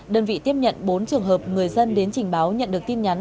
đơn vị tiếp nhận bốn trường hợp người dân đến trình báo nhận được tin nhắn